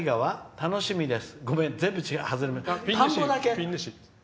楽しみです」。